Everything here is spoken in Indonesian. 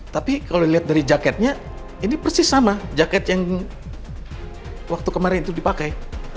tapi kalau dilihat dari jaketnya ini persis sama jaket yang waktu kemarin itu dipakai